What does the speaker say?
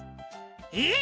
「えっ？